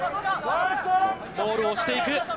モールを押していく。